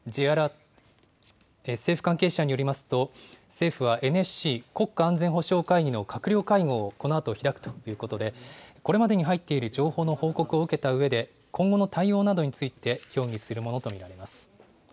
政府関係者によりますと、政府はＮＳＣ・国家安全保障会議の閣僚会合をこのあと開くということで、これまでに入っている情報の報告を受けたうえで、今後の対応などについて協議するものと見られます。